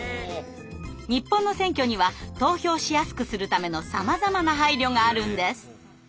日本の選挙には投票しやすくするためのさまざまな配慮があるんです！